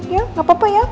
ya gak apa apa ya